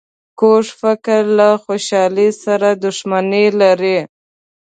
کوږ فکر له خوشحالۍ سره دښمني لري